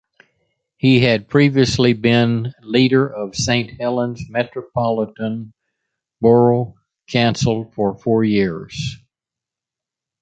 He had previously been leader of Saint Helens Metropolitan Borough Council for four years.